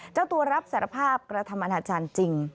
เจ้าตัวรับสารภาพกระทำอนาจารย์จริง